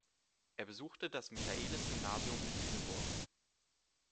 Er besuchte das Michaelis-Gymnasium in Lüneburg.